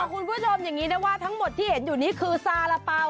คุณผู้ชมอย่างนี้ได้ว่าทั้งหมดที่เห็นอยู่นี่คือซาระเป๋า